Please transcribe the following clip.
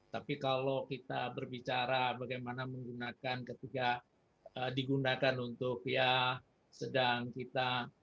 tapi kalau kita berbicara bagaimana menggunakan ketika digunakan untuk ya sedang kita